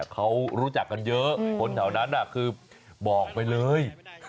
เขารู้จักกันเยอะคนแถวนั้นคือบอกไปเลย